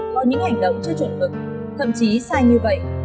có những hành động chưa chuẩn mực thậm chí sai như vậy